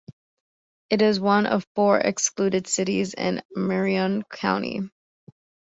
It is one of four "excluded cities" in Marion County.